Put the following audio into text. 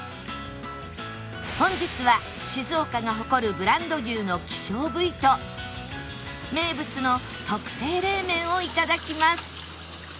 本日は静岡が誇るブランド牛の希少部位と名物の特製冷麺を頂きます